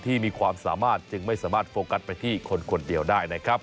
ที่มีความสามารถจึงไม่สามารถโฟกัสไปที่คนคนเดียวได้นะครับ